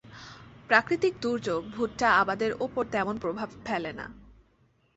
প্রাকৃতিক দুর্যোগ ভুট্টা আবাদের ওপর তেমন প্রভাব ফেলে না।